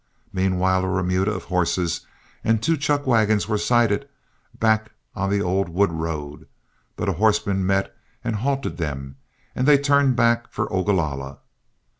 Meanwhile a remuda of horses and two chuck wagons were sighted back on the old wood road, but a horseman met and halted them and they turned back for Ogalalla.